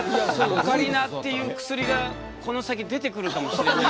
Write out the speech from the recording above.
オカリナっていう薬がこの先出てくるかもしれない。